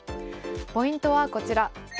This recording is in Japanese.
ポイントはこちら。